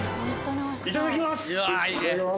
いただきます。